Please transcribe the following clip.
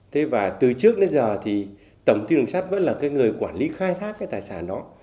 từ trước đến giờ tổng công ty đường sắt vẫn là người quản lý khai thác tài sản đó